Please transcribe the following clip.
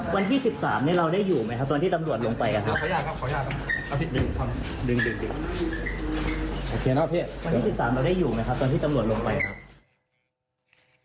วันที่สิบสามเราได้อยู่ไหมครับตอนที่ตำรวจลงไปครับ